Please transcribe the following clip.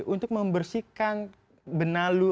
untuk membersihkan benalu